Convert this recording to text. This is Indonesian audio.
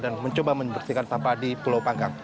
dan mencoba membersihkan sampah di pulau panggang